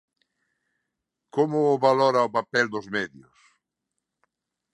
Como valora o papel dos medios?